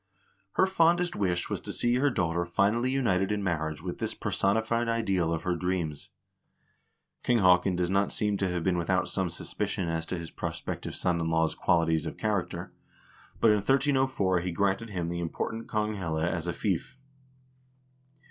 Her fondest wish was to see her daughter finally united in marriage with this personified ideal of her dreams. King Haakon does not seem to have been without some suspicion as to his prospective son in law's qualities of character, but in 1304 he granted him the important Konghelle as a fief.